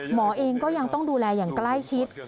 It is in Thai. หมอเองก็ยังต้องดูแลอย่างใกล้ชิด